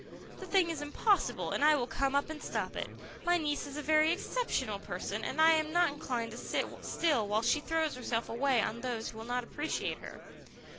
The thing is impossible, and I will come up and stop it. My niece is a very exceptional person, and I am not inclined to sit still while she throws herself away on those who will not appreciate her."